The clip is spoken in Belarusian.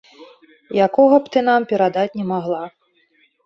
Якога б ты нам перадаць не магла.